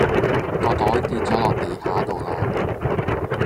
個袋就跌左落地下度啦